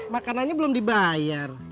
makanannya belum dibayar